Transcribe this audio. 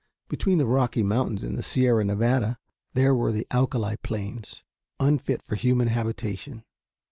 Between the Rocky Mountains and the Sierra Nevada there were the alkali plains, unfit for human habitation.